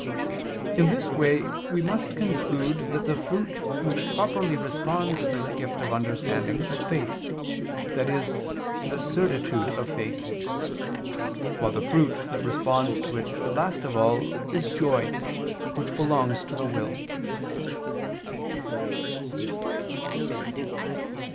In this way we must conclude that the fruit which properly responds to the gift of understanding is faith, i.e. the certitude of faith; while the fruit that responds to it last of all is joy, which belongs to the will.